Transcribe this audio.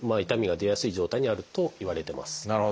痛みが出やすい状態にあるといわれてます。